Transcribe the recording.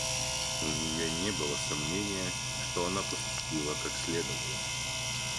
У нее не было сомнения, что она поступила как следовало.